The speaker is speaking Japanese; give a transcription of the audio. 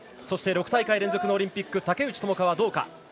そして６大会連続のオリンピック竹内智香はどうか。